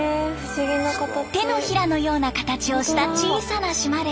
手のひらのような形をした小さな島です。